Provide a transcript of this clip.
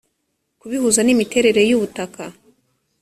kubihuza n imiterere y ubutaka